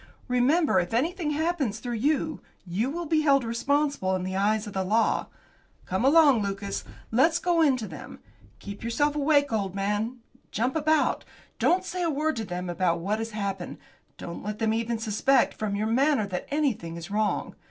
Remember, if anything happens through you, you will be held responsible in the eyes of the law. Come along, Lucas, let's go in to them. Keep yourself awake, old man; jump about. Don't say a word to them about what has happened. Don't let them even suspect from your manner that anything is wrong.